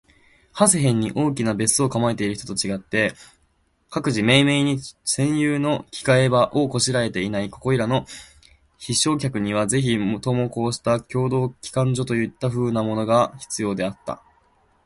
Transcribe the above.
長谷辺（はせへん）に大きな別荘を構えている人と違って、各自めいめいに専有の着換場（きがえば）を拵（こしら）えていないここいらの避暑客には、ぜひともこうした共同着換所といった風（ふう）なものが必要なのであった。